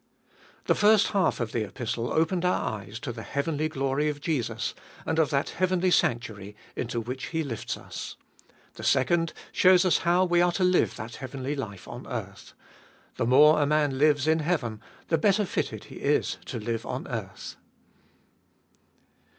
1. The first half of the Epistle opened our eyes to the heavenly glory of Jesus, and of that heavenly sanctuary into which He lifts us. The second shows us how we are to Hue that heavenly life on earth. The more a man lives in heaven, the better fitted he is to Hue on earth.